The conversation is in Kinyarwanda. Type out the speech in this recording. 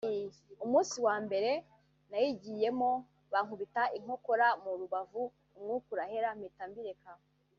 umunsi wa mbere nayigiyemo bankubita inkokora mu rubavu umwuka urahera mpita mbireka